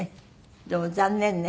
でも残念ね。